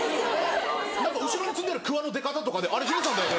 何か後ろに積んであるクワの出方とかで「あれヒデちゃんだよね」。